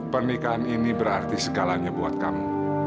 pernikahan ini berarti segalanya buat kamu